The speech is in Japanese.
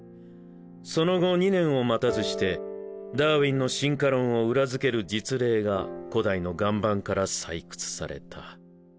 その後２年を待たずしてダーウィンの進化論を裏付ける実例が古代の岩盤から採掘された。